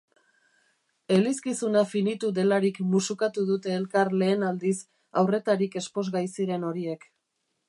Elizkizuna finitu delarik musukatu dute elkar lehen aldiz haurretarik esposgai ziren horiek.